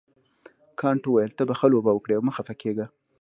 کانت وویل ته به ښه لوبه وکړې او مه خفه کیږه.